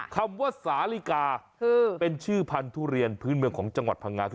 คำว่าสาลิกาเป็นชื่อพันธุเรียนพื้นเมืองของจังหวัดพังงา